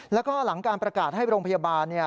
แล้วก็หลังการประกาศให้โรงพยาบาล